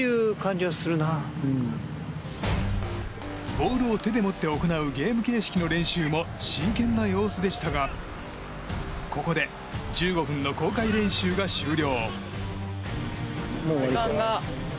ボールを手で持って行うゲーム形式の練習も真剣な様子でしたがここで１５分の公開練習が終了。